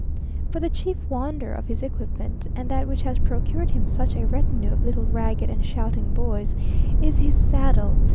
But the chief wonder of his equipment, and that which has procured him such a retinue of little ragged and shouting boys, is his saddle.